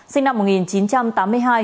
sinh năm một nghìn chín trăm tám mươi hai